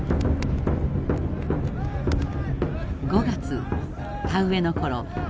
５月田植えのころ